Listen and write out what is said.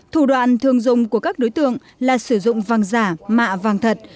thủ đoạn thường dùng của các đối tượng là sử dụng vàng giả mạ vàng thật